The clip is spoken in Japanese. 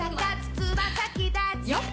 つま先だちよっ！